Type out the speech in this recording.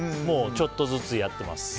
ちょっとずつやってます。